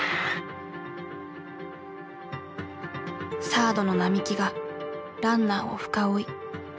サードの並木がランナーを深追い。